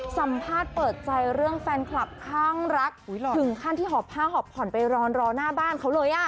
สัมภาษณ์เปิดใจเรื่องแฟนคลับข้างรักถึงขั้นที่หอบผ้าหอบผ่อนไปรอหน้าบ้านเขาเลยอ่ะ